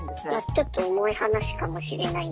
ちょっと重い話かもしれないんですけれど。